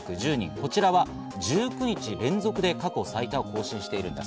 こちらは１９日連続で過去最多を更新しているんです。